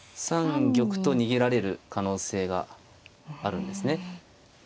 ６三玉と逃げられる可能性があるんですね。